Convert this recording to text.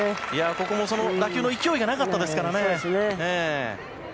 ここも打球の勢いがなかったですからね。